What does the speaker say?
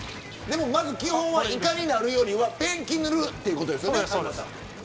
でも、まず基本はイカになるよりペンキを塗るということですね。